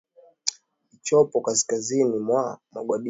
ichopo kaskazini mwa mogadishu